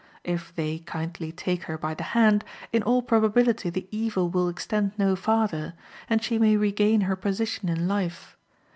If they kindly take her by the hand, in all probability the evil will extend no farther, and she may regain her position in life.